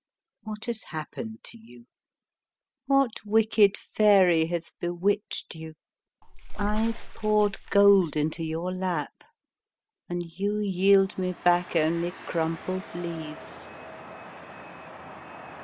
What has happened to you ? What wicked fairy has bewitched you ? I poured gold into your lap, and you yield me back only crumpled leaves.